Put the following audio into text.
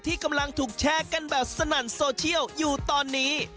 ที่กำลังถูกแชร์กันแบบสนั่นโซเชียลอยู่ตอนนี้